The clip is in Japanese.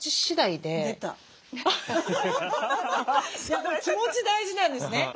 やっぱり気持ち大事なんですね。